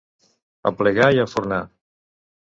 Aplegar i enfornar.